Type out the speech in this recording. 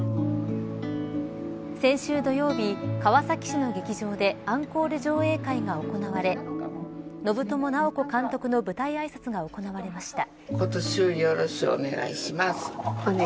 先週土曜日、川崎市の劇場でアンコール上映会が行われ信友直子監督の舞台あいさつが行われました。